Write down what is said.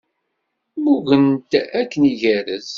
Mmugen-t akken igerrez.